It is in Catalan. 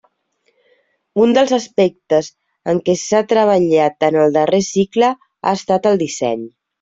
Un dels aspectes en què s'ha treballat en el darrer cicle ha estat el disseny.